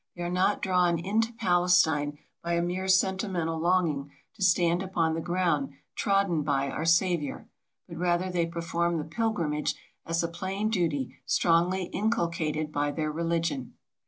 They are not drawn into Palestine by a mere sentimental longing to stand upon the ground trodden by our Saviour, but rather they perform the pilgrimage as a plain duty strongly in culcated by their religion.